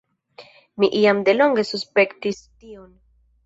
Mi jam delonge suspektis tion.